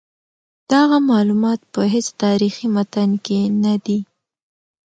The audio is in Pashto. دغه معلومات په هیڅ تاریخي متن کې نه دي.